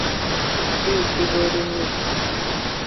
Biyitibwa ebinyiri.